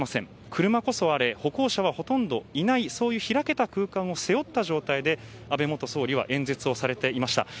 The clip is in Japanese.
車こそあれ歩行者はほとんどいないそういう開けた空間を背負った状態で、安倍元総理は演説をされていました。